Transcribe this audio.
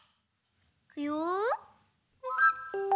いくよ。